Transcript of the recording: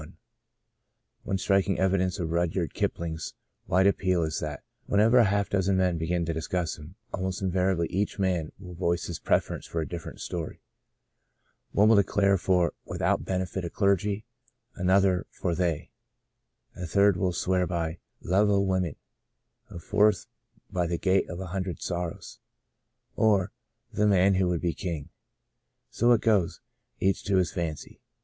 ONE striking evidence of Rudyard Kipling's wide appeal is that, when ever half a dozen men begin to dis cuss him, almost invariably each man will voice his preference for a different story. One will declare for Without Benefit of Clergy," another for " They." A third will swear by " Love O' Women," a fourth by " The Gate of a Hundred Sorrows," or, " The Man Who Would Be King." So it goes — each to his fancy.